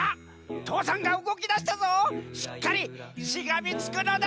父山がうごきだしたぞしっかりしがみつくのだ！